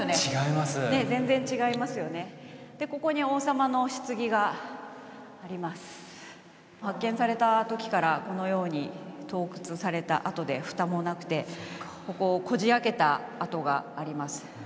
ここに王様の棺があります発見された時からこのように盗掘されたあとで蓋もなくてこここじ開けた跡があります